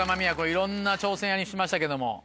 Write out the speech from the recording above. いろんな挑戦しましたけども。